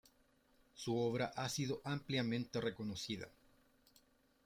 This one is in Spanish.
Su obra ha sido ampliamente reconocida.